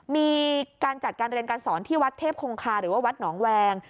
มีการจัดการเรียนการสอนที่วัดเทพคงคาหรือว่าวัดหนองแวง